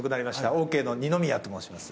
オーケーの二宮と申します。